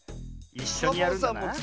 いっしょにやるんだな。